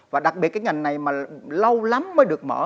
và đặc biệt cái ngành này mà lâu lắm mới được mở